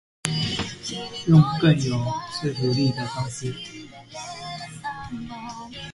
用更有說服力的方式